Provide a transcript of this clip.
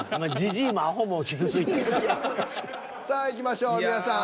何かさあいきましょう皆さん。